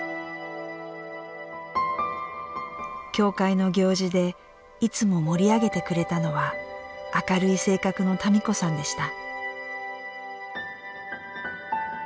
教会の行事でいつも盛り上げてくれたのは明るい性格の多美子さんでした。